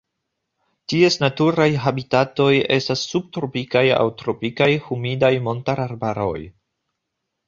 Ties naturaj habitatoj estas subtropikaj aŭ tropikaj humidaj montararbaroj.